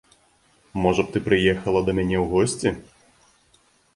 Можа б ты прыехала да мяне ў госці?